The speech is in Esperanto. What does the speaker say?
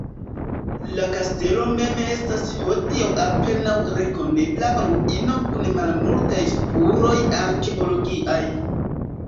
La kastelo mem estas hodiaŭ apenaŭ rekonebla ruino kun malmultaj spuroj arkeologiaj.